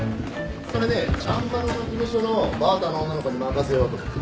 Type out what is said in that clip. それねちゃんまりの事務所のバーターの女の子に任せようと思って。